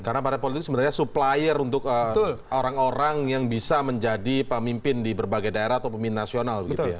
karena partai politik sebenarnya supplier untuk orang orang yang bisa menjadi pemimpin di berbagai daerah atau pemimpin nasional